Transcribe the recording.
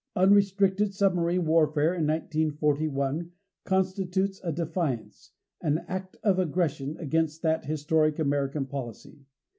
Unrestricted submarine warfare in 1941 constitutes a defiance an act of aggression against that historic American policy.